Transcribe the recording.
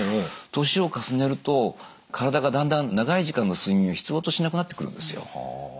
年を重ねると体がだんだん長い時間の睡眠を必要としなくなってくるんですよ。